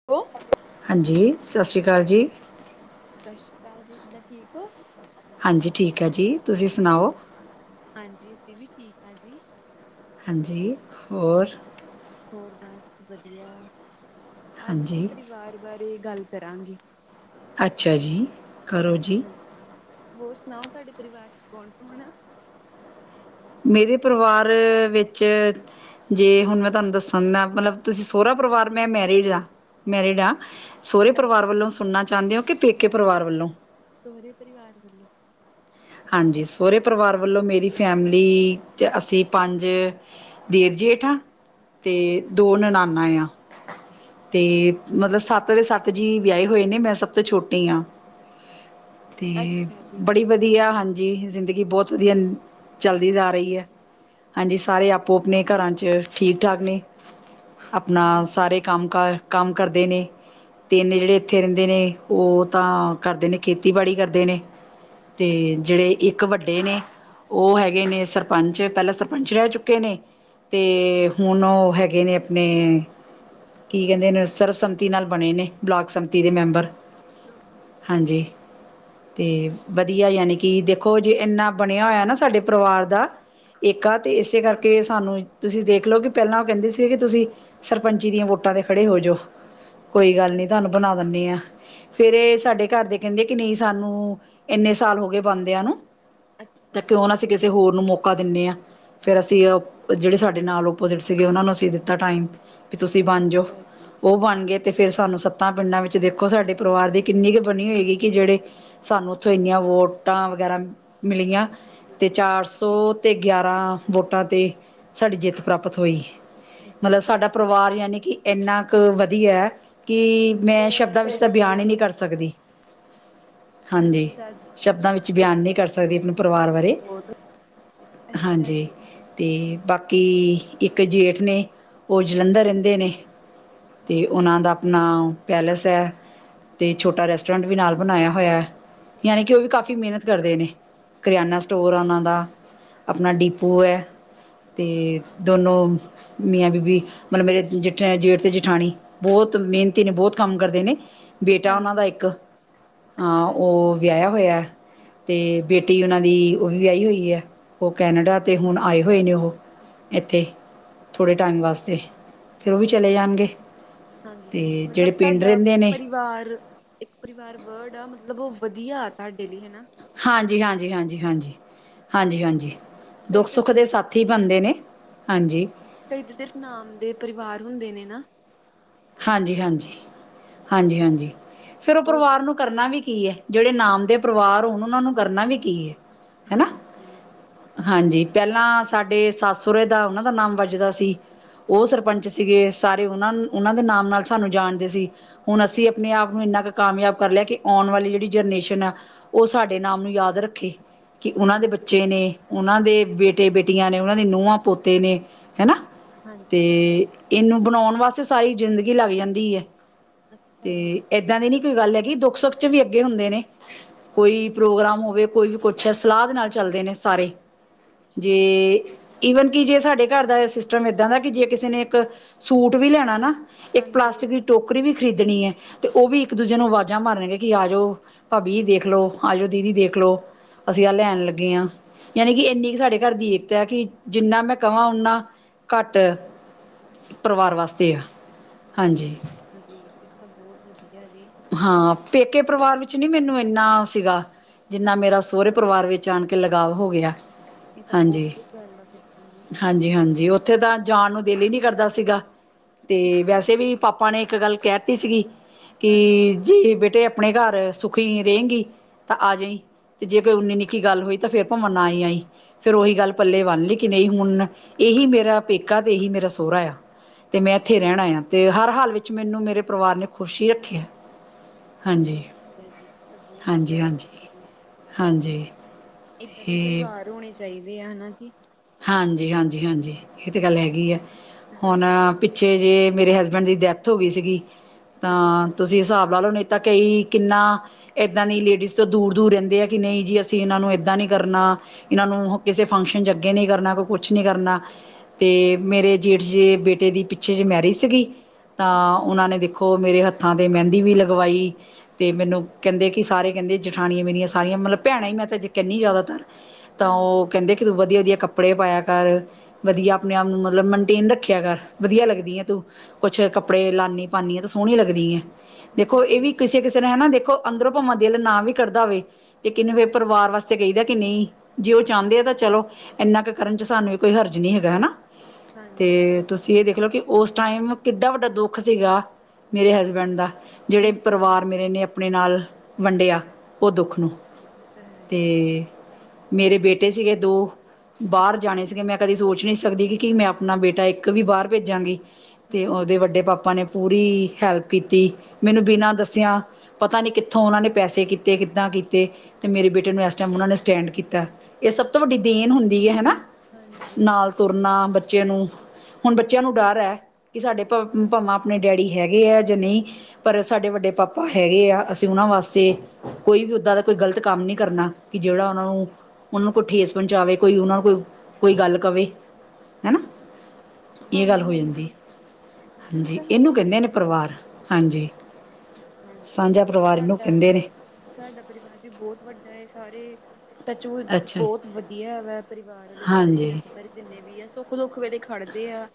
ਹੈ ਲੋ ਹਾਂਜੀ, ਸਤਿ ਸ਼੍ਰੀ ਅਕਾਲ ਜੀ। ਸਤਿ ਸ਼੍ਰੀ ਅਕਾਲ ਜੀ, ਕਿੱਦਾਂ, ਠੀਕ ਹੋ? ਹਾਂਜੀ ਠੀਕ ਹੈ ਜੀ, ਤੁਸੀਂ ਸੁਣਾਓ? ਹਾਂਜੀ, ਅਸੀਂ ਵੀ ਠੀਕ ਆਂ, ਜੀ। ਹਾਂਜੀ, ਹੋਰ? ਹੋਰ ਬਸ ਵਧੀਆ, ਅੱਜ ਅਸੀਂ ਹਾਂਜੀ ਪਰਿਵਾਰ ਬਾਰੇ ਗੱਲ ਕਰਾਂਗੇ। ਅੱਛਾ ਜੀ, ਕਰੋ ਜੀ। ਅੱਛੀ, ਹੋਰ ਸੁਣਾਓ, ਤੁਹਾਡੇ ਪਰਿਵਾਰ'ਚ ਕੌਣ-ਕੌਣ ਆ? ਮੇਰੇ ਪਰਿਵਾਰ ਵਿੱਚ ਜੇ ਹੁਣ ਮੈਂ ਤੁਹਾਨੂੰ ਦੱਸਣ ਦਾ ਮਤਲਬ, ਤੁਸੀਂ ਸੋਹਰਾ ਪਰਿਵਾਰ ਮੈਂ ਮੈਰਿਡ ਆਂ ਮੈਰਿਡ ਆਂ, ਸਹੁਰੇ ਪਰਿਵਾਰ ਅੱਛਾ ਵੱਲੋਂ ਜੀ। ਸੁਣਨਾ ਚਾਹੁੰਦੇ ਹੋ, ਕਿ ਪੇਕੇ ਪਰਿਵਾਰ ਵੱਲੋਂ? ਸਹੁਰੇ ਪਰਿਵਾਰ ਵੱਲੋਂ। ਹਾਂਜੀ। ਸਹੁਰੇ ਪਰਿਵਾਰ ਵੱਲੋਂ ਮੇਰੀ ਫੈਮਲੀ'ਚ ਅਸੀਂ ਪੰਜ ਦੇਰ-ਜੇਠ ਆਂ, ਤੇ ਦੋ ਅੱਛਾ ਨਣਾਂਨਾ ਯਾ। ਤੇ, ਮਤਲਬ ਸੱਤ ਦੇ ਸੱਤ ਜੀ ਵਿਆਹੇ ਹੋਏ ਨੇ, ਮੈਂ ਸਭ ਤੋਂ ਛੋਟੀ ਆਂ। [unintelligible] ਤੇ, ਅੱਛਾ ਜੀ ਬੜੀ ਵਧੀਆ ਹਾਂਜੀ, ਜ਼ਿੰਦਗੀ ਬਹੁਤ ਵਧੀਆ ਚੱਲਦੀ ਜਾ ਰਹੀ ਐ। ਹਾਂਜੀ, ਸਾਰੇ ਆਪੋ-ਆਪਣੇ ਘਰਾਂ'ਚ ਠੀਕ-ਠਾਕ ਨੇ, ਆਪਣਾ ਹਾਂਜੀ। ਸਾਰੇ ਕੰਮ ਕੰਮ ਕਰਦੇ ਨੇ। ਤਿੰਨ ਜਿਹੜੇ ਇੱਥੇ ਰਹਿੰਦੇ ਨੇ, ਉਹ ਤਾਂ ਕਰਦੇ ਨੇ, ਖੇਤੀਬਾੜੀ ਕਰਦੇ ਨੇ। ਤੇ, ਅੱਛਾ ਜਿਹੜੇ ਇੱਕ ਇੱਕ ਵੱਡੇ ਨੇ, ਉਹ ਹੈਗੇ ਨੇ ਸਰਪੰਚ, ਪਹਿਲਾਂ ਸਰਪੰਚ ਰਹਿ ਚੁੱਕੇ ਨੇ, ਤੇ, ਹੁਣ ਉਹ ਹੈਗੇ ਨੇ ਆਪਨੇ ਕੀ ਕਹਿੰਦੇ ਨੇ, ਸਰਬਸੰਮਤੀ ਨਾਲ ਬਣੇ ਨੇ, ਬਲੌਕ ਸੰਮਤੀ ਦੇ ਮੈਂਬਰ। [unintelligible] ਹਾਂਜੀ, ਤੇ ਵਧੀਆ ਯਾਨੀ ਕਿ ਦੇਖੋ, ਜੇ ਇੰਨਾ ਬਣਿਆ ਹੋਇਆ ਨਾ, ਸਾਡੇ ਪਰਿਵਾਰ ਦਾ ਇੱਕ ਆ ਤੇ ਇਸੇ ਕਰਕੇ ਸਾਨੂੰ ਤੁਸੀਂ ਦੇਖਲਓ, ਕਿ ਪਹਿਲਾਂ ਉਹ ਕਹਿੰਦੇ ਸੀਗੇ ਕਿ ਤੁਸੀਂ ਸਰਪੰਚੀ ਦੀਆਂ ਵੋਟਾਂ ਤੇ ਖੜੇ ਹੋਜੋ। ਕੋਈ ਗੱਲ ਅੱਛਾ ਨਹੀਂ ਜੀ ਤੁਹਾਨੂੰ ਬਣਾ ਦਿੰਦੇ ਆ ਫੇਰ ਸਾਡੇ ਘਰ ਦੇ ਕਹਿੰਦੇ ਆ ਕਿ ਨਹੀਂ ਸਾਨੂੰ ਇੰਨੇ ਸਾਲ ਹੋ ਗਏ, ਬੰਦਿਆਂ ਨੂੰ ਤੇ ਅੱਛਾ ਕਿਉਂ ਨਾ ਅਸੀਂ ਕਿਸੇ ਹੋਰ ਨੂੰ ਮੌਕਾ ਦਿੰਣੇ ਹਾਂ। ਫਿਰ ਅਸੀਂ ਉਹ ਜਿਹੜੇ ਸਾਡੇ ਨਾਲ ਓਪੋਜਿਟ ਸੀਗੇ, ਉਹਨਾਂ ਨੂੰ ਅਸੀਂ ਦਿੱਤਾ ਟਾਈਮ ਵੀ ਤੁਸੀਂ ਬਣ ਜੋ, ਅੱਛਾ ਜੀ ਉਹ ਬਣ ਗਏ। ਅਤੇ ਫਿਰ ਸਾਨੂੰ ਸੱਤਾਂ ਪਿੰਡਾਂ ਵਿੱਚ ਦੇਖੋ ਸਾਡੇ ਪਰਿਵਾਰ ਦੀ ਕਿੰਨੀ ਕੁ ਬਣੀ ਹੋਏਗੀ ਕਿ ਜਿਹੜੇ ਸਾਨੂੰ ਉੱਥੋਂ ਇੰਨੀਆਂ ਵੋਟਾਂ ਵਗੈਰਾ ਮਿਲੀਆਂ ਤੇ ਚਾਰ ਸੌ ਤੇ ਗਿਆਰਾਂ ਵੋਟਾਂ ਤੇ ਸਾਡੀ ਜਿੱਤ ਪ੍ਰਾਪਤ ਹੋਈ। ਮਤਲਬ ਅੱਛਾ ਸਾਡਾ ਜੀ। ਪਰਿਵਾਰ ਯਾਨੀ ਕਿ ਇੰਨਾ ਕੁ ਵਧੀਆ ਕਿ ਮੈਂ ਸ਼ਬਦਾਂ ਵਿੱਚ ਤਾਂ ਬਿਆਨ ਹੀ ਨਹੀਂ ਕਰ ਸਕਦੀ। ਹਾਂਜੀ। ਅੱਛਾ ਜੀ ਸ਼ਬਦਾਂ ਵਿੱਚ ਇਹ ਬਿਆਨ ਨਹੀਂ ਕਰ ਸਕਦੀ, ਆਪਣੇ ਪਰਿਵਾਰ ਬਾਰੇ ਬਹੁਤ ਅੱਛਾ ਹਾਂਜੀ। ਜੀ ਅਤੇ ਬਾਕੀ ਇੱਕ ਜੇਠ ਨੇ ਉਹ ਜਲੰਧਰ ਰਹਿੰਦੇ ਨੇ। ਤੇ ਉਹਨਾਂ ਅੱਛਾ ਦਾ ਜੀ ਆਪਣਾ ਪੈਲੇਸ ਹੈ, ਤੇ ਛੋਟਾ ਰੈਸਟੋਰੈਂਟ ਵੀ ਨਾਲ ਬਣਾਇਆ ਹੋਇਆ। ਯਾਨੀ ਕਿ ਉਹ ਵੀ ਕਾਫੀ ਮਿਹਨਤ ਕਰਦੇ ਨੇ ਕਰਿਆਨਾ ਸਟੋਰ ਆ ਉਹਨਾਂ ਦਾ ਆਪਣਾ ਡੀਪੂ ਹੈ ਤੇ ਦੋਨੋਂ ਮੀਆਂ-ਬੀਬੀ ਮਤਲਬ ਮੇਰੇ ਜਿਠੇ ਜੇਠ ਤੇ ਜੇਠਾਣੀ ਬਹੁਤ ਮਿਹਨਤੀ ਨੇ ਬਹੁਤ ਕੰਮ ਕਰਦੇ ਨੇ ਬੇਟਾ ਉਹਨਾਂ ਦਾ ਹਾਂਜੀ ਇੱਕ ਆ ਅੱਛਾ ਜੀ ਉਹ ਵਿਆਹਿਆ ਹੋਇਆ ਤੇ ਬੇਟੀ ਉਹਨਾਂ ਦੀ ਉਹ ਵੀ ਵਿਆਹੀ ਹੋਈ ਹੈ। ਉਹ ਕੈਨੇਡਾ ਅੱਛਾ ਹੁਣ ਤੇ ਜੀ ਆਏ ਹੋਏ ਨੇ ਉਹ ਇੱਥੇ ਥੋੜ੍ਹੇ ਟਾਈਮ ਅੱਛਾ ਵਾਸਤੇ। ਤੇ ਉਹ ਵੀ, ਚਲੇ ਜਾਣਗੇ। ਅਤੇ ਹਾਂਜੀ-ਹਾਂਜੀ ਮਤਲਬ ਜਿਹੜੇ ਪਿੰਡ ਤੁਹਾਡਾ ਰਹਿੰਦੇ ਨੇ ਪਰਿਵਾਰ। ਇੱਕ ਪਰਿਵਾਰ ਵਰਡ ਆ ਮਤਲਬ, ਉਹ ਵਧੀਆ ਤਾਡੇ ਲਈ ਹਨਾ। ਹਾਂਜੀ-ਹਾਂਜੀ-ਹਾਂਜੀ-ਹਾਂਜੀ-ਹਾਂਜੀ-ਹਾਂਜੀ ਕਈ ਤਾਂ ਦੁੱਖ-ਸੁੱਖ ਸਿਰਫ ਦੇ ਸਾ ਥੀ ਬਣਦੇ ਨੇ, ਹਾਂਜੀ। ਕਈ ਤਾਂ, ਸਿਰਫ਼ ਨਾਮ ਦੇ ਪਰਿਵਾਰ ਹੁੰਦੇ ਨੇ ਨਾ। ਹਾਂਜੀ- ਹਾਂਜੀ-ਹਾਂਜੀ-ਹਾਂਜੀ ਫਿਰ ਉਹ ਪਰਿਵਾਰ ਨੂੰ ਕਰਨਾ ਵੀ ਕੀ ਐ ਜਿਹੜੇ ਨਾਮ ਦੇ ਪਰਿਵਾਰ ਹੋਣ, ਉਹਨਾਂ ਨੂੰ ਕਰਨਾ ਵੀ ਕੀ ਏ। ਹਾਂਜੀ। ਹਾਂਜੀ, ਪਹਿਲਾਂ ਸਾਡੇ ਸੱਸ-ਸੋਰੇ ਦਾ, ਉਹਨਾਂ ਦਾ ਨਾਮ ਵੱਜਦਾ ਸੀ। ਉਹ ਸਰਪੰਚ ਸੀਗੇ ਸਾਰੇ, ਉਹ ਉਹਨਾਂ ਦੇ ਨਾਮ ਨਾਲ ਸਾਨੂੰ ਜਾਣਦੇ ਸੀ। ਹੁਣ ਅਸੀਂ ਆਪਣੇ ਆਪ ਨੂੰ, ਇੰਨਾ ਕੁ ਕਾਮਯਾਬ ਕਰ ਲਿਆ। ਕਿ ਆਉਣ ਵਾਲੀ ਜਿਹੜੀ ਜਨਰੇਸ਼ਨ ਐ ਉਹ ਸਾਡੇ ਨਾਮ ਨੂੰ ਯਾਦ ਰੱਖੇ। ਕਿ ਉਹਨਾਂ ਦੇ ਹਾਂਜੀ ਬੱਚੇ ਨੇ ਉਹਨਾਂ ਦੇ ਬੇਟੇ ਬੇਟੀਆਂ ਨੇ ਉਹਨਾਂ ਦੇ ਨੂਹਾਂ ਪੋਤੇ ਨੇ ਹਨਾ। ਤੇ ਹਾਂਜੀ ਇਹਨੂੰ ਬਣਾਉਣ ਵਾਸਤੇ ਸਾਰੀ ਜ਼ਿੰਦਗੀ ਲੱਗ ਜਾਂਦੀ ਐ। ਤੇ ਅੱਛਾ ਜੀ ਏਦਾਂ ਦੀ ਨੀ ਕੋਈ ਗੱਲ ਹੈਗੀ, ਦੁੱਖ-ਸੁੱਖ ਚ ਵੀ ਅੱਗੇ ਹੁੰਦੇ ਨੇ। ਕੋਈ ਪ੍ਰੋਗਰਾਮ ਹੋਵੇ ਕੋਈ ਵੀ ਕੁਛ ਹੈ, ਸਲਾਹ ਦੇ ਨਾਲ ਚੱਲਦੇ ਨੇ ਸਾਰੇ ਜੇ ਠੀਕ ਈਵਨ ਕਿ, ਜੇ ਸਾਡੇ ਘਰ ਦਾ ਸਿਸਟਮ ਇੱਦਾਂ ਦਾ ਕਿ ਜੇ ਕਿਸੇ ਨੇ ਇੱਕ ਸੂਟ ਵੀ ਲਿਆਣਾ ਨਾ ਇੱਕ ਹਾਂਜੀ ਪਲਾਸਟਿਕ ਦੀ ਟੋਕਰੀ ਵੀ ਖਰੀਦਣੀ ਹੈ, ਤੇ ਉਹ ਵੀ ਇੱਕ ਦੂਜੇ ਨੂੰ ਆਵਾਜ਼ਾਂ ਮਾਰਨਗੇ ਕਿ ਆ ਜਾਓ। ਪਾਬੀ ਦੇਖ ਲੋ ਆ ਜਾਓ, ਦੀਦੀ ਦੇਖ ਲੋ ਅਸੀਂ ਆਹ ਲੈਣ ਲੱਗੇ ਹਾਂ। ਯਾਨੀ ਕਿ ਇੰਨੀ ਕੁ ਸਾਡੇ ਘਰ ਦੀ ਏਕਤਾ ਐ ਕਿ ਜਿੰਨਾ ਮੈਂ ਕਹਾਂ ਓਨਾ ਘੱਟ ਪਰਿਵਾਰ ਵਾਸਤੇ ਆ ਹਾਂਜੀ। ਹਾਂਜੀ ਫਿਰ ਤਾਂ ਬਹੁਤ ਵਧੀਆ ਜੀ। ਹਾਂ ਪੇਕੇ ਪਰਿਵਾਰ ਵਿੱਚ ਨੀ ਮੈਨੂੰ ਇੰਨਾ ਸੀਗਾ, ਜਿੰਨਾ ਮੇਰਾ ਸੋਹੁਰੇ ਅੱਛਾ ਪਰਿਵਾਰ ਵਿੱਚ ਆਣ ਕੇ ਲਗਾਵ ਹੋ ਗਿਆ। ਇਹ ਤਾਂ ਬਹੁਤ ਵਧੀਆ ਗਲ ਫਿਰ ਤਾ ਜੀ। ਹਾਂਜੀ-ਹਾਂਜੀ ਉੱਥੇ ਤਾਂ ਜਾਣ ਨੂੰ ਦਿਲ ਹੀ ਨਹੀਂ ਕਰਦਾ ਸੀਗਾ। ਤੇ ਅੱਛਾ ਵੈਸੇ ਜੀ ਵੀ, ਪਾਪਾ ਨੇ ਇੱਕ ਗੱਲ ਕਹਿ ਦਿੱਤੀ ਸੀਗੀ। ਹਾਂਜੀ ਕਿ ਜੇ ਬੇਟੇ, ਆਪਣੇ ਘਰ ਸੁਖੀ ਰਹੇਂਗੀ। ਤਾਂ ਆ ਜਾਈ, ਤੇ ਜੇ ਕੋਈ, ਉਨੀ ਨਿੱਕੀ ਗੱਲ ਹੋਈ, ਤਾਂ ਫਿਰ ਭਾਵਾਂ ਨਾ ਈ ਆਈ। ਫਿਰ ਉਹੀ ਗੱਲ ਪੱਲੇ ਬੰਨ ਲਈ ਕਿ ਨਹੀਂ ਹੁਣ ਇਹੀ ਮੇਰਾ ਪੇਕਾ ਤੇ ਇਹੀ ਮੇਰਾ ਸੋਹਰਾ ਆ। ਤੇ ਮੈਂ ਇੱਥੇ ਰਹਿਣਾ ਆ ਅਤੇ ਹਰ ਹਾਲ ਵਿੱਚ ਮੈਨੂੰ ਮੇਰੇ ਪਰਿਵਾਰ ਨੇ ਖ਼ੁਸ਼ ਹੀ ਰੱਖਿਆ। ਹਾਂਜੀ ਠੀਕ ਹੈ ਜੀ ਤਾਂ ਬਹੁਤ ਹਾਂਜੀ ਵਧੀਆ ਗੱਲ ਹਾਂਜੀ ਐ ਜੀ। ਹਾਂਜੀ। ਇੱਦਾਂ ਦੇ ਈ ਤੇ ਪਰਿਵਾਰ ਹੋਣੇ ਚਾਹੀਦੇ ਆ ਹਨਾ ਜੀ। ਹਾਂਜੀ, ਹਾਂਜੀ, ਹਾਂਜੀ, ਇਹ ਤਾਂ ਗੱਲ ਹੈਗੀ ਐ। ਹੁਣ ਹਾਂਜੀ ਪਿੱਛੇ ਜੇ ਮੇਰੇ ਹਸਬੈਂਡ ਦੀ ਡੈਥ ਹੋ ਗਈ ਸੀਗੀ। ਤਾਂ ਅੱਛਾ ਤੁਸੀਂ ਜੀ ਹਿਸਾਬ ਲਾ ਲਓ ਨਹੀਂ ਤਾਂ, ਕਈ ਕਿੰਨਾ ਇੱਦਾਂ ਦੀ ਲੇਡੀਜ਼ ਤੋਂ ਦੂਰ ਦੂਰ ਰਹਿੰਦੇ ਆ ਕਿ ਨਹੀਂ ਜੀ, ਅਸੀਂ ਇਹਨਾਂ ਨੂੰ ਇੱਦਾਂ ਨਹੀਂ ਕਰਨਾ। ਇਹਨਾਂ ਨੂੰ ਕਿਸੇ ਫੰਕਸ਼ਨ ਚ ਅੱਗੇ ਨਹੀਂ ਕਰਨਾ, ਕੋਈ ਕੁਛ ਨਹੀਂ ਕਰਨਾ। ਤੇ ਮੇਰੇ ਜੇਠ ਜੇ ਬੇਟੇ ਦੀ ਪਿੱਛੇ ਜਿਹੇ ਮੈਰਿਜ ਸੀਗੀ। ਤਾਂ ਉਹਨਾਂ ਨੇ ਦੇਖੋ ਮੇਰੇ ਹੱਥਾਂ ਤੇ ਮਹਿੰਦੀ ਵੀ ਲਗਵਾਈ। ਅਤੇ ਮੈਨੂੰ ਕਹਿੰਦੇ ਕਿ ਸਾਰੇ ਕਹਿੰਦੇ ਜਠਾਣੀਆਂ ਮੇਰੀਆਂ ਸਾਰੀਆਂ ਮਤਲਬ ਭੈਣਾਂ ਹੀ ਮੈਂ ਤਾਂ ਜੇ ਕਹਿੰਨੀ ਜ਼ਿਆਦਾਤਰ। ਤਾਂ ਉਹ ਹਾਂਜੀ ਕਹਿੰਦੇ ਕਿ ਤੂੰ ਵਧੀਆ ਜਿਹੇ ਕੱਪੜੇ ਪਾਇਆ ਕਰ। ਵਧੀਆ ਆਪਣੇ ਆਪ ਨੂੰ ਮਤਲਬ ਮੇਨਟੇਨ ਰੱਖਿਆ ਕਰ। ਵਧੀਆ ਲੱਗਦੀ ਆ ਤੂੰ। ਕੁਛ ਕੱਪੜੇ ਲਾਉਂਦੀ ਪਾਉਂਦੀ ਆ ਤਾਂ ਸੋਹਣੀ ਲੱਗਦੀ ਐ। ਦੇਖੋ ਇਹ ਵੀ ਹਾਂਜੀ, ਕਿਸੇ ਕਿਸੇ ਫਿਰ ਹੈ ਨਾ ਦੇਖੋ ਅੰਦਰੋਂ ਭਾਵਾਂ ਦਿਲ ਨਾ ਵੀ ਕਰਦਾ ਹੋਵੇ। ਤੇ ਕਹਿੰਦੇ ਫਿਰ ਪਰਿਵਾਰ ਵਾਸਤੇ ਕਹੀ ਦਾ ਕਿ ਨਹੀਂ ਜੇ ਉਹ ਚਾਹੁੰਦੇ ਆ ਤਾਂ ਚਲੋ। ਇੰਨਾ ਕੁ ਕਰਨ ਚ ਸਾਨੂੰ ਵੀ ਕੋਈ ਹਰਜ਼ ਨਹੀਂ ਹੈਗਾ ਹੈ ਨਾ ਤੇ ਹਾਂਜੀ। ਤੁਸੀਂ ਇਹ ਦੇਖ ਲਓ ਕਿ ਉਸ ਟਾਈਮ ਕਿੱਡਾ ਵੱਡਾ ਦੁੱਖ ਸੀਗਾ, ਮੇਰੇ ਹਸਬੈਂਡ ਦਾ। ਜਿਹੜੇ ਹੂੰ, ਪਰਿਵਾਰ ਹੂੰ। ਮੇਰੇ ਨੇ ਆਪਣੇ ਨਾਲ ਵੰਡਿਆ। ਉਹ ਦੁੱਖ ਨੂੰ ਇਹ ਤਾਂ ਹੈ ਤੇ ਹੀ, ਮੇਰੇ ਬੇਟੇ ਸੀਗੇ ਦੋ। ਬਾਹਰ ਅੱਛਾ ਜਾਣੇ ਸੀਗੇ। ਜੀ, ਮੈਂ ਕਦੀ ਸੋਚ ਨਹੀਂ ਸਕਦੀ ਕਿ ਕਿ ਮੈਂ ਆਪਣਾ ਬੇਟਾ ਇੱਕ ਵੀ ਬਾਹਰ ਭੇਜਾਂਗੀ। ਤੇ ਉਹਦੇ ਵੱਡੇ ਪਾਪਾ ਨੇ ਪੂਰੀ ਹੈਲਪ ਕੀਤੀ। ਮੈਨੂੰ ਬਿਨਾਂ ਦੱਸਿਆ। ਪਤਾ ਨਹੀਂ ਕਿੱਥੋਂ ਉਹਨਾਂ ਨੇ ਪੈਸੇ ਕੀਤੇ, ਕਿੱਦਾਂ ਕੀਤੇ। ਤੇ ਮੇਰੇ ਬੇਟੇ ਨੂੰ ਇਸ ਟਾਈਮ ਉਹਨਾਂ ਨੇ ਸਟੈਂਡ ਕੀਤਾ। ਇਹ ਸਭ ਤੋਂ ਵੱਡੀ ਦੇਣ ਹੁੰ ਦੀ ਹੈ ਹਨਾ ਹਾਂਜੀ। ਨਾਲ ਤੁਰਨਾ ਬੱਚੇ ਨੂੰ ਹੁਣ ਬੱਚਿਆਂ ਨੂੰ ਡਰ ਹੈ ਕਿ ਸਾਡੇ ਭ ਭਾਵਾਂ ਆਪਣੇ ਡੈਡੀ ਹੈਗੇ ਹੈ ਜਾਂ ਨਹੀਂ। ਪਰ ਸਾਡੇ ਵੱਡੇ ਪਾਪਾ ਹੈਗੇ ਆ। ਅਸੀਂ ਉਹਨਾਂ ਵਾਸਤੇ ਕੋਈ ਵੀ ਓਦਾਂ ਦਾ ਕੋਈ ਗ਼ਲਤ ਕੰਮ ਨਹੀਂ ਕਰਨਾ ਕਿ ਜਿਹੜਾ ਉਹਨਾਂ ਨੂੰ ਉਹਨਾਂ ਨੂੰ ਕੋਈ ਠੇਸ ਪਹੁੰਚਾਵੇ। ਕੋਈ ਉਹਨਾਂ ਨੂੰ ਕੋਈ ਕੋਈ ਗੱਲ ਕਵੇ ਹੈ ਨਾ। ਇਹ ਗੱਲ ਹਾਂਜੀ, ਹੋ ਜਾਂਦੀ। ਹਾਂਜੀ ਇਹ ਹਾਂਜੀ ਤਾਂ ਹੈ ਇਹਨੂੰ ਹੀ। ਕਹਿੰਦੇ ਨੇ ਪਰਿਵਾਰ, ਹਾਂਜੀ, ਹਾਂਜੀ, ਸਾਂਝਾ ਪਰਿਵਾਰ ਇਹਨੂੰ ਸਾਡਾ, ਕਹਿੰਦੇ ਨੇ। ਸਾਡਾ ਪਰਿਵਾਰ ਵੀ ਬਹੁਤ ਵੱਡਾ ਹੈ, ਸਾਰੇ ਤਾਂ ਚੋ ਅੱਛਾ ਬਹੁਤ ਵਧੀਆ ਵਾ ਪਰਿਵਾਰ ਵਾਲੇ ਸਾਰੇ ਹਾਂਜੀ ਮੈਂਬਰ। ਜਿੰਨੇ ਵੀ ਆ ਸੁੱਖ ਦੁੱਖ ਵੇਲੇ ਖੜਦੇ ਆ।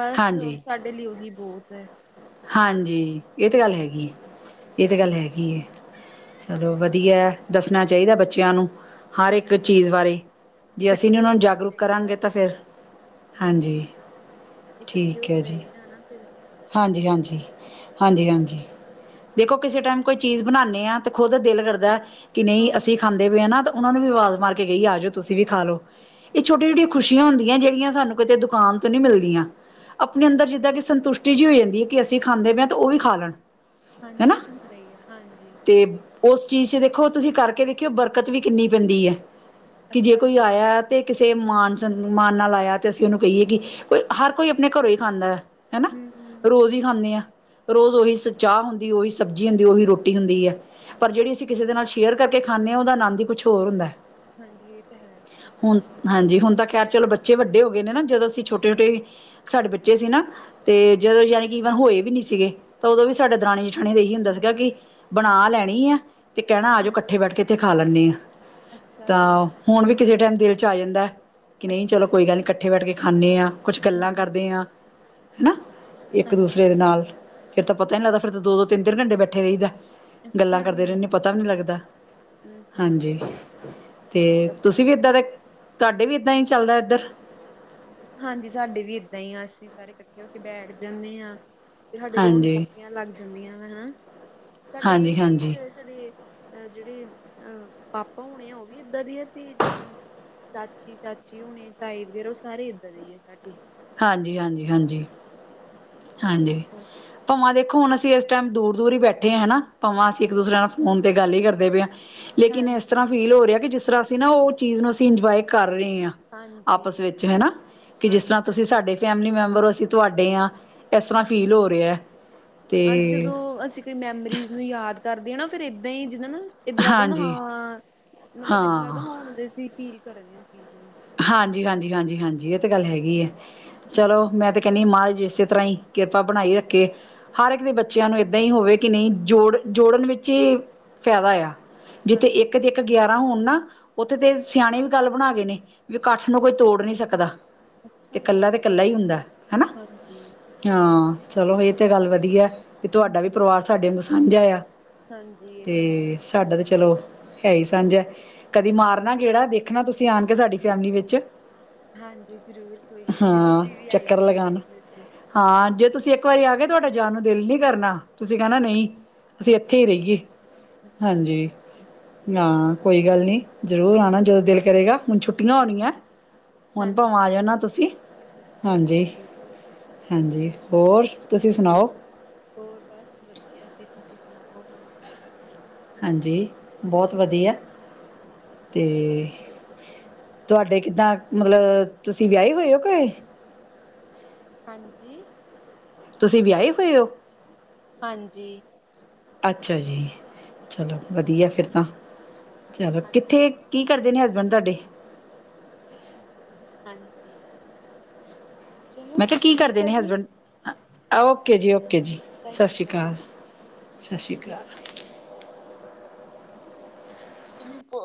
ਬਸ ਹਾਂਜੀ ਸਾਡੇ ਲਈ ਉਹੀ ਬਹੁਤ ਹੈ। ਹਾਂਜੀ, ਇਹ ਤਾਂ ਗੱਲ ਹੈਗੀ ਹੈ। ਇਹ ਤਾਂ ਗੱਲ ਹੈਗੀ। ਚਲੋ ਵਧੀਆ ਐ। ਦੱਸਣਾ ਚਾਹੀਦਾ ਬੱਚਿਆਂ ਨੂੰ। ਹਰ ਇੱਕ ਹਾਂਜੀ ਚੀਜ਼ ਬਾਰੇ। ਜੇ ਅਸੀਂ ਨਹੀਂ ਇਕੱਠੇ ਹੋ ਉਹਨਾਂ ਨੂੰ ਕੇ ਜਾਗਰੂਕ ਰਹੀਦਾ ਕਰਾਂਗੇ, ਵਾ ਤਾਂ ਫਿਰ। ਹਾਂਜੀ, ਠੀਕ ਹੈ ਜੀ। ਜਾਣਾ ਫਿਰ ਹਾਂਜੀ ਹਾਂਜੀ, ਹਾਂਜੀ ਹਾਂਜੀ। ਦੇਖੋ ਕਿਸੇ ਟਾਈਮ ਕੋਈ ਚੀਜ਼ ਬਣਾਦੇ ਹਾਂ, ਤੇ ਖੁਦ ਦਿਲ ਕਰਦਾ ਕਿ ਨਹੀਂ ਹਾਂ। ਅਸੀਂ ਖਾਂ ਦੇ ਵੀ ਆਨਾ ਤਾਂ ਉਹਨਾਂ ਨੂੰ ਵੀ ਆਵਾਜ਼ ਮਾਰ ਕੇ ਗਈ ਆ ਜਾਓ, ਤੁਸੀਂ ਵੀ ਖਾ ਲਓ। ਇਹ ਛੋਟੀਆਂ ਛੋਟੀਆਂ ਖੁਸ਼ੀਆਂ ਹੁੰਦੀਆਂ। ਜਿਹੜੀਆਂ ਸਾਨੂੰ ਕਿਤੇ ਦੁਕਾਨ ਤੋਂ ਨਹੀਂ ਮਿਲਦੀਆਂ। ਆਪਣੇ ਅੰਦਰ ਜਿੱਦਾਂ ਕਿ ਸੰਤੁਸ਼ਟੀ ਜਿਹੀ ਹੋ ਜਾਂਦੀ ਹੈ ਕਿ ਅਸੀਂ ਖਾਂਦੇ ਪਏ ਹਾਂ ਤੇ ਉਹ ਵੀ ਖਾ ਲੈਣ। ਹਾਂਜੀ ਹਨਾ। ਇਹ ਤਾਂ ਹੁੰਦਾ ਹੀ ਆ ਹਾਂਜੀ। ਤੇ ਉਸ ਚੀਜ਼ ਚ ਦੇਖੋ ਤੁਸੀਂ ਕਰਕੇ ਦੇਖਿਓ ਬਰਕਤ ਵੀ ਕਿੰਨੀ ਪੈਂਦੀ ਹੈ ਕਿ ਜੇ ਅੱਛਾ ਕੋਈ ਜੀ। ਆਇਆ ਐ। ਤੇ ਕਿਸੇ ਮਾਨ ਮਾਨ ਨਾਲ ਆਇਆ ਤੇ ਅਸੀਂ ਉਹਨੂੰ ਕਹੀਏ ਕਿ ਕੋਈ ਹਰ ਕੋਈ ਆਪਣੇ ਘਰੋਂ ਹੀ ਖਾਂਦਾ ਹੈ ਹਨਾ। ਸਹੀ ਹੈ ਰੋਜ਼ ਹੀ ਖਾਂਦੇ ਹਾਂ ਰੋਜ਼ ਉਹੀ ਸ ਚਾਹ ਹੁੰਦੀ ਉਹੀ ਸਬਜ਼ੀ ਹੁੰਦੀ ਉਹੀ ਰੋਟੀ ਹੁੰਦੀ ਹੈ। ਪਰ ਜਿਹੜੀ ਅਸੀਂ ਕਿਸੇ ਦੇ ਨਾਲ ਸ਼ੇਅਰ ਕਰਕੇ ਖਾਂਦੇ ਹਾਂ ਉਹਦਾ ਆਨਦ ਹੀ ਕੁਛ ਹੋਰ ਹੁੰਦਾ ਹੈ। ਹਾਂਜੀ ਇਹ ਤਾਂ ਹੈ। ਹੁਣ ਹਾਂਜੀ ਹੁਣ ਤਾਂ ਖੈਰ ਚਲੋ ਬੱਚੇ ਵੱਡੇ ਹੋ ਗਏ ਨੇ ਨਾ ਜਦੋਂ ਅਸੀਂ ਛੋਟੇ ਛੋਟੇ। ਸਾਡੇ ਬੱਚੇ ਸੀ ਨਾ। ਤੇ ਜਦੋਂ ਯਾਨੀ ਕਿ ਈਵਨ ਹੋਏ ਵੀ ਨਹੀਂ ਸੀਗੇ ਤਾਂ ਉਦੋਂ ਵੀ ਸਾਡੇ ਦਰਣੀ ਜਠਾਣੀ ਇਹੀ ਹੁੰਦਾ ਸੀਗਾ ਕਿ ਬਣਾ ਲੈਣੀ ਆ ਤੇ ਕਹਿਣਾ ਆ ਜਾਓ ਹਾਂਜੀ, ਇਕੱਠੇ ਬੈਠ ਕੇ ਇੱਥੇ ਖਾ ਲੈਂਦੇ ਆ ਅੱਛਾ ਜੀ ਤਾਂ ਹੁਣ ਵੀ ਕਿਸੇ ਟਾਈਮ ਦਿਲ 'ਚ ਆ ਜਾਂਦਾ ਕਿ ਨਹੀਂ ਅੱਛਾ ਚਲੋ ਜੀ ਕੋਈ ਗੱਲ ਨਹੀਂ ਇਕੱਠੇ ਬੈਠ ਕੇ ਖਾਂਦੇ ਹਾਂ ਕੁਛ ਹਮ ਗੱਲਾਂ ਹਮ ਕਰਦੇ ਹਾਂ। ਹੈਾ ਇੱਕ ਹਾਂਜੀ ਦੂਸਰੇ ਦੇ ਨਾਲ ਫਿਰ ਤਾਂ ਪਤਾ ਹੀ ਲੱਗਦਾ ਫਿਰ ਤਾਂ ਦੋ ਦੋ ਤਿੰਨ ਤਿੰਨ ਘੰਟੇ ਬੈਠੇ ਰਹਿੰਦਾ। ਗੱਲਾਂ ਅੱਛਾ ਕਰਦੇ ਜੀ ਰਹਿੰਦੇ ਪਤਾ ਵੀ ਨਹੀਂ ਲੱਗਦਾ ਹਮ ਹਮ ਹਾਂਜੀ ਤੇ ਫਿਰ ਤਾਂ ਤੁਸੀਂ ਵੀ ਬਹੁਤ ਏਦਾਂ ਦੇ ਤੁਹਾਡੇ ਵੀ ਇੱਦਾਂ ਹੀ ਚੱਲਦਾ ਇੱਧਰ ਹਾਂਜੀ ਸਾਡੇ ਵੀ ਇਏਦਾਂ ਹੀ ਆ ਅਸੀਂ ਸਾਰੇ ਇਕੱਠੇ ਹੋ ਕੇ ਬੈਠ ਜਾਂਦੇ ਹਾਂ ਸਾਡੇ ਰੌਣ ਹਾਂਜੀ ਪਕੀਆਂ ਲੱਗ ਜਾਂਦੀਆਂ ਵਾ ਹਨਾ ਸਾਡੇ ਇਹ ਹਾਂਜੀ ਨੀ ਹਾਂਜੀ ਕਿ ਸਾਡੇ ਅਹ ਜਿਹੜੇ ਅਹ ਪਾਪਾ ਹੋਣੇ ਆ ਉਹ ਵੀ ਇਏਦਾਂ ਦੀ ਆ ਤੇ ਜਿੱਦਾਂ ਚਾਚੀ ਚਾਚੀ ਹੁਣੇ ਤਾਈ ਵਗੈਰਾ ਉਹ ਸਾਰੇ ਏਦਾਂ ਦੇ ਹੀ ਹੈ ਸਾਡੇ ਹਾਂਜੀ, ਹਾਂਜੀ, ਹਾਂਜੀ, ਹਾਂਜੀ ਭਾਵਾਂ ਦੇਖੋ ਹੁਣ ਅਸੀਂ ਇਸ ਟਾਈਮ ਦੂਰ ਦੂਰ ਹੀ ਬੈਠੇ ਆ ਹਨਾ ਭਵਾਂ ਅਸੀਂ ਇੱਕ ਦੂਸਰੇ ਨਾਲ ਫੋਨ ਤੇ ਗੱਲ ਹੀ ਕਰਦੇ ਪਏ ਹਾਂ। ਲੇਕਿਨ ਇਸ ਹਾਂਜੀ ਤਰ੍ਹਾਂ ਹਾਂਜੀ ਫੀਲ ਹੋ ਰਿਹਾ ਕਿ ਜਿਸ ਤਰ੍ਹਾਂ ਅਸੀਂ ਨਾ ਉਹ ਚੀਜ਼ ਨੂੰ ਅਸੀਂ ਇੰਜੋਏ ਕਰ ਰਹੇ ਹਾਂ। ਆਪਸ ਹਾਂਜੀ ਵਿੱਚ ਹਨਾ ਕਿ ਜਿਸ ਤਰ੍ਹਾਂ। ਹਾਂਜੀ ਤੁਸੀਂ ਹਾਂਜੀ ਸਾਡੇ ਏਦਾਂ ਹੀ ਫੈਮਿਲੀ ਮੈਂਬਰ ਅਸੀਂ ਤੁਹਾਡੇ ਹ ਇਸ ਤਰ੍ਹਾਂ ਫੀਲ ਹੋ ਰਹਾ ਹੈ। ਹਾਂਜੀ ਜਦੋਂ ਅਸੀਂ ਕੋਈ ਮੈਮਰੀਜ਼ ਨੂੰ ਯਾਦ ਕਰਦੇ ਹਾਂ ਨਾ ਫਿਰ ਇਏਦਾਂ ਹੀ ਜਿੱਦਾਂ ਨਾ ਇੱਧਰ ਲੱਗਦਾ ਹਾਂਜੀ ਹਾਂ ਮਤਲਬ ਇੱਧਰ ਲੱਗਦਾ ਹਾਂ ਹਣ ਅਸੀਂ ਫੀਲ ਕਰ ਚੀਜ਼ ਨੂੰ ਹਾਂਜੀ -ਹਾਂਜੀ -ਹਾਂਜੀ -ਹਾਂਜੀ ਇਹ ਤੇ ਗੱਲ ਹੈਗੀ ਹੈ ਚਲੋ ਹਮ ਮੈਂ ਤੇ ਕੇਨੀ ਮਹਾਰਜ ਇਸੇ ਤਰ੍ਹਾਂ ਹੀ ਕਿਰਪਾ ਬਣਾਈ ਰੱਖੇ ਹਰ ਇੱਕ ਦੇ ਬੱਚਿਆਂ ਨੂੰ ਇਏਦਾਂ ਹੀ ਹੋਵੇ ਕਿ ਨਹੀਂ ਜੋੜ ਜੋੜਨ ਵਿੱਚ ਹੀ ਫਾਇਦਾ ਆ ਜਿੱਥੇ ਇੱਕ ਹਾਂਜੀ ਤੇ ਇੱਕ ਗਿਆਰਾਂ ਹੋਣ ਨਾ ਉੱਥੇ ਤੇ ਸਿਆਣੇ ਵੀ ਗੱਲ ਬਣਾ ਗਏ ਨੇ ਵੀ ਇਕੱਠ ਨੂੰ ਕੋਈ ਤੋੜ ਨੀ ਸਕਦਾ ਤੇ ਅੱਛਾ ਜੀ। ਇਕੱਲਾ ਤੇ ਕੱਲਾ ਹੀ ਹੁੰਦਾ ਹਨਾ ਹਾਂਜੀ ਹਾਂ ਚਲੋ ਇਹ ਤੇ ਗੱਲ ਵਧੀਆ ਵੀ ਹਮ ਤੁਹਾਡਾ ਵੀ ਹਮ, ਪਰਿਵਾਰ ਸਾਡੇ ਨੂੰ ਸਾਂਝਾ ਆ ਹਾਂਜੀ ਇਹ ਤੇ ਤਾਂ ਹੈ ਸਾਡਾ ਤੇ ਚਲੋ ਹੈ ਹੀ ਸਾਂਝ ਹੈ ਕਦੀ ਅੱਛਾ ਮਾਰਨਾ ਗੇੜਾ ਦੇਖ ਦੇਖਣਾ ਤੁਸੀਂ ਆਣ ਕੇ ਸਾਡੀ ਫੈਮਿਲੀ ਵਿੱਚ ਹਾਂਜੀ ਜ਼ਰੂਰ ਕੋਈ ਨੀ ਜੀ ਹਾਂ ਤੁਸੀਂ ਵੀ ਚੱਕਰ ਆਈਓ ਸਾਡੇ ਲਗਾਉਣ ਕੋਲ ਹਾਂ ਜੇ ਤੁਸੀਂ ਇੱਕ ਵਾਰੀ ਆ ਗ ਤੁਹਾਡੇ ਜਾਣ ਨੂੰ ਦਿਲ ਨਹੀਂ ਕਰਨਾ ਤੁਸੀਂ ਕਹਿਣਾ ਨਹੀਂ ਅਸੀਂ ਇੱਥੇ ਹੀ ਰਹੀਏ। ਅੱਛਾ ਹਾਂਜੀ ਹਾਂ ਕੋਈ ਗੱਲ ਨੀ ਜਰੂਰ ਆਉਣਾ ਜਦੋਂ ਦਿਲ ਕਰੇਗਾ ਹੁਣ ਛੁੱ ਛੋਟੀਆਂ ਹੋਣੀਆਂ ਹਾਂਜੀ ਹੁਣ ਹਾਂਜੀ ਭਾਵੇ ਆ ਹਾਂਜੀ ਜਾਣਾ ਤੁਸੀਂ ਹਾਂਜੀ ਅੱਛਾ ਜੀ ਹਾਂਜੀ ਹੋਰ। ਤੁਸੀਂ ਸੁਣਾਓ ਹੋਰ ਹੋਰ ਬਸ ਵਧੀਆ ਜੀ ਤੁਸੀਂ ਸੁਣਾਓ ਹੋਰ। ਹਾਂਜੀ ਬਹੁਤ ਵਧੀਆ ਅੱਛਾ ਅਤੇ। ਤੁਹਾਡੇ ਕਿੱਦਾਂ ਮਤਲਬ ਤੁਸੀਂ ਵਿਆਹੀ ਹੋਏ ਹੋ ਕੋ ਹਾਂਜੀ ਤੁਸੀਂ ਵਿਆਹੇ ਹੋਏ ਹੋ ਹਾਂਜੀ ਅੱਛਾ ਜੀ ਚਲੋ ਵਧੀਆ ਫਿਰ ਤਾਂ। ਚਲੋ ਹਾਂ- ਕਿੱਥੇ ਕੀ ਕਰਦੇ ਨੇ ਹਸਬੈਂਡ ਤੁਹਾਡੇ ਹਾਂਜੀ ਚਲੋ ਮੈਂ ਕਿਹਾ ਕੀ ਠੀਕ ਕਰਦੇ ਹੈ ਨੇ ਜੀ ਹਸਬੈਂਡ ਅ ਓਕੇ ਜੀ ਓਕੇ ਜੀ ਸਤਿ ਸ਼੍ਰੀ ਅਕਾਲ ਸਤਿ ਸ਼੍ਰੀ ਅਕਾਲ ਕਿਂਨੀ ਪ